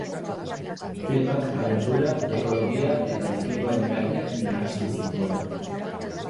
Filmak abentura, ekologia eta bikingoen gaiak nahastu zituen.